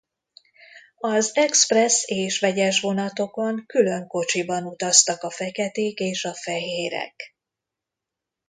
Az expressz és vegyes vonatokon külön kocsiban utaztak a feketék és a fehérek.